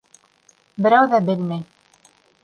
Берәү ҙә белмәй.